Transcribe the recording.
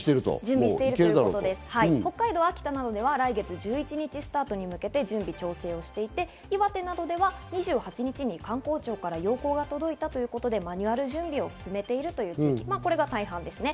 北海道、秋田などでは来月１１日スタートに向けて準備・調整していて、岩手などでは２８日に観光庁から要項が届いたということで、マニュアル準備などを進めているという地域、これが大半ですね。